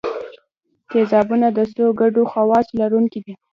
تیزابونه د څو ګډو خواصو لرونکي دي.